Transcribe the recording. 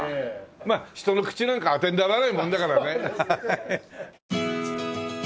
まあ人の口なんか当てにならないもんだからね。